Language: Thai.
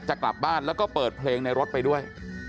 จะกลับบ้านแล้วก็เปิดเพลงในรถไปด้วย